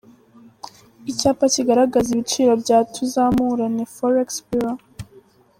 Icyapa kigaragaza ibiciro bya Tuzamurane Forex Bureau.